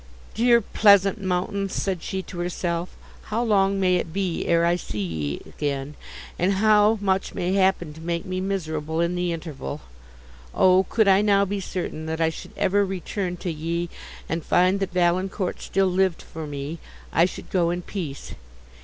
"Dear pleasant mountains!" said she to herself, "how long may it be ere I see ye again, and how much may happen to make me miserable in the interval! Oh, could I now be certain, that I should ever return to ye, and find that Valancourt still lived for me, I should go in peace!